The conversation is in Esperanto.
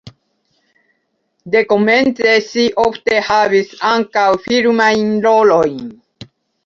Dekomence ŝi ofte havis ankaŭ filmajn rolojn.